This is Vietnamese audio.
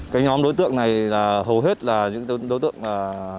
cái nhóm đối tượng này hầu hết là những đối tượng là